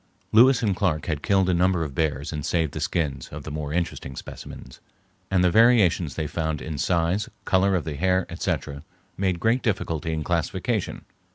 Lewis and Clark had killed a number of bears and saved the skins of the more interesting specimens, and the variations they found in size, color of the hair, etc., made great difficulty in classification.